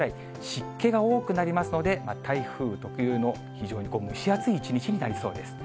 湿気が多くなりますので、台風特有の非常に蒸し暑い一日になりそうです。